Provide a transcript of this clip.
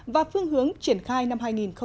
và phương hướng triển khai năm hai nghìn một mươi chín